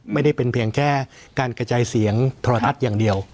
ไม่ได้เป็นเพียงแค่การกระจายเสียงโทรทัศน์อย่างเดียว